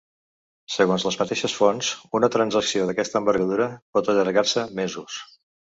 Segons les mateixes fonts, una transacció d’aquesta envergadura pot allargar-se ‘mesos’.